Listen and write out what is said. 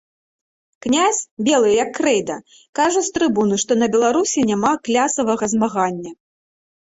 Князь, белы, як крэйда, кажа з трыбуны, што на Беларусі няма клясавага змагання.